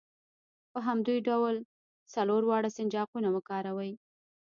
په همدې ډول څلور واړه سنجاقونه وکاروئ.